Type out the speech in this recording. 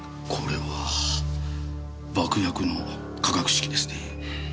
これは爆薬の化学式ですね。